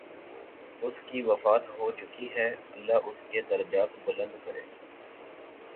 اس کی وفات ہو چکی ہے، اللہ اس کے درجات بلند کرے۔